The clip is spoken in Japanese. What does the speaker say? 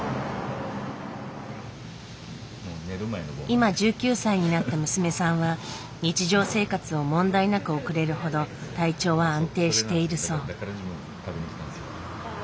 今１９歳になった娘さんは日常生活を問題なく送れるほど体調は安定しているそう。